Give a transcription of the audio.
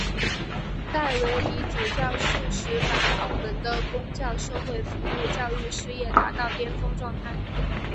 戴维理主教适时把澳门的公教社会服务教育事业达到巅峰状态。